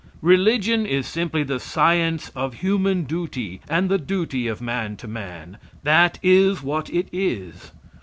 Religion is simply the science of human duty and the duty of man to man that is what it is.